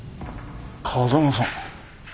風間さん。